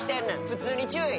普通に注意。